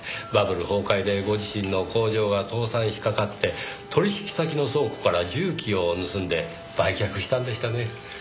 バブル崩壊でご自身の工場は倒産しかかって取引先の倉庫から重機を盗んで売却したんでしたね。